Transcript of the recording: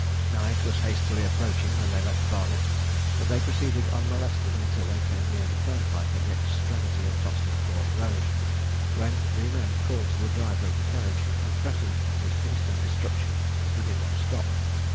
Night was hastily approaching when they left Barnet; but they proceeded unmolested until they came near the turnpike at the extremity of Tottenham Court Road, when three men called to the driver of the carriage, and threatened his instant destruction if he did not stop.